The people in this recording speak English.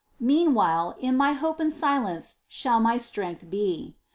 Meanwhile, " in hope and silence shall my strength be."